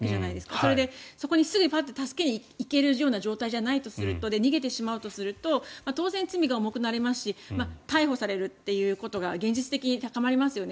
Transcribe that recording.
それで、そこにすぐ助けに行けるような状態じゃないとすると逃げてしまうとすると当然、罪が重くなりますし逮捕されるということが現実的に高まりますよね。